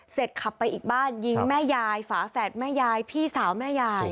ขับไปอีกบ้านยิงแม่ยายฝาแฝดแม่ยายพี่สาวแม่ยาย